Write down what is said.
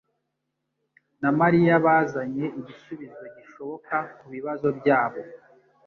na Mariya bazanye igisubizo gishoboka kubibazo byabo